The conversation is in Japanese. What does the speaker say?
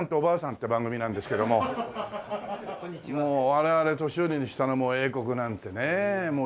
我々年寄りにしたらもう英国なんてね夢の時代で。